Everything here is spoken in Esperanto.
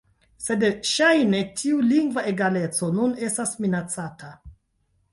Sed ŝajne tiu lingva egaleco nun estas minacata.